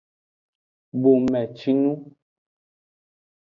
Bomecinu.